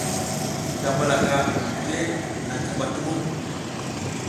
Damalaka digire naŋ kaɓa tumuŋ.